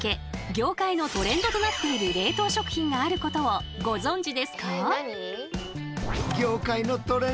業界のトレンドとなっている冷凍食品があることをご存じですか？